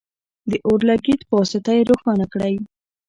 د اور لګیت په واسطه یې روښانه کړئ.